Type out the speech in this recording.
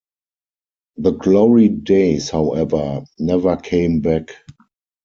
The glory days, however, never came back.